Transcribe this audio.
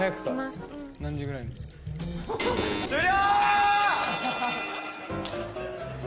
終了！